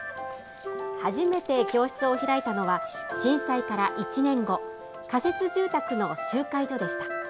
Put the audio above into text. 初めて教室を開いたのは震災から１年後、仮設住宅の集会所でした。